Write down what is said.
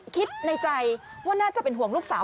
คิดในใจว่าน่าจะวงลูกสาว